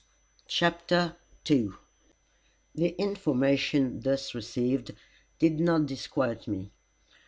CHAPTER II The information thus received did not disquiet me.